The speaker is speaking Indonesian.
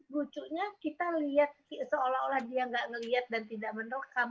v virtue nya kita lihat seolah olah dia tidak melihat dan tidak merekam